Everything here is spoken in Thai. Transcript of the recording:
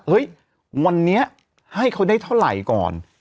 เฮ้ยวันนี้ให้เขาได้เท่าไหร่ก่อน